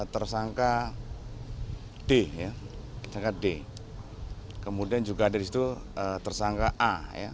tersangka d kemudian juga ada disitu tersangka a